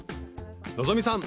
希さん